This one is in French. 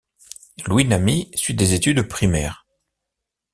Louis Namy suit des études primaires.